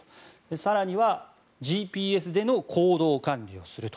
更にはＧＰＳでの行動管理をすると。